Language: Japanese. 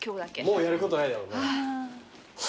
もうやることないだろうね。